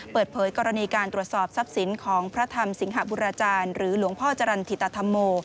เปิดเผยกรณีการตรวจสอบทรัพย์สินของพระธรรมสิงหบุราจารย์หรือหลวงพ่อจรรย์ธิตธรรมโม